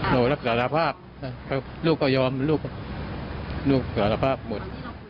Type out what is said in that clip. เรารับสารภาพลูกก็ยอมลูกสารภาพหมด